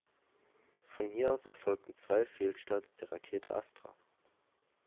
Von hier aus erfolgten zwei Fehlstarts der Rakete Astra.